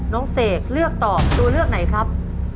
น้องเศกเลือกต่อตัวเลือกไหนครับ